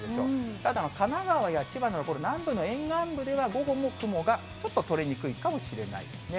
ただ、神奈川や千葉など、これ、南部の沿岸部では、午後も雲がちょっと取れにくいかもしれないですね。